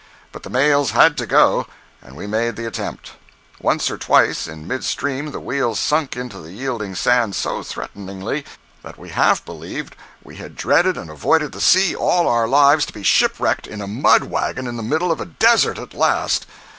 But the mails had to go, and we made the attempt. Once or twice in midstream the wheels sunk into the yielding sands so threateningly that we half believed we had dreaded and avoided the sea all our lives to be shipwrecked in a "mud wagon" in the middle of a desert at last.